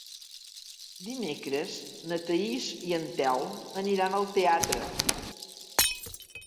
Dimecres na Thaís i en Telm aniran al teatre.